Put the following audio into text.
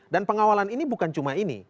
dan pengawalan ini bukan cuma ini